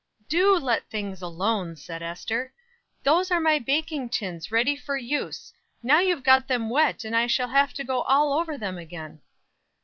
"Do let things alone!" said Ester. "Those are my baking tins, ready for use; now you've got them wet, and I shall have to go all over them again."